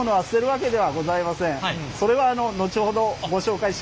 それは後ほどご紹介します。